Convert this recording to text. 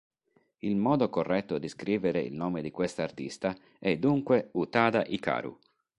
Il modo corretto di scrivere il nome di quest'artista è dunque Utada Hikaru.